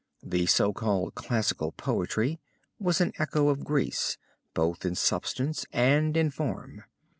The so called classic poetry was an echo of Greece, both in substance and in form.